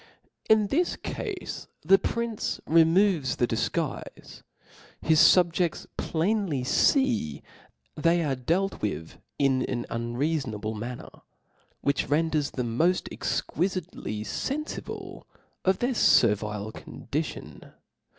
In this cafe the prince removes the dif guife : his fubjefts plainly fee they are dealt with in an unreafonable manner ; which renders them moft exquifitely fenfible of their fervile condition.